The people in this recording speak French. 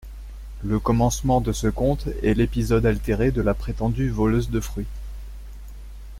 Le commencement de ce conte est l'épisode altéré de la prétendue voleuse de fruits.